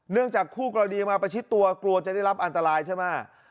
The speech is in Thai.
จากคู่กรณีมาประชิดตัวกลัวจะได้รับอันตรายใช่ไหม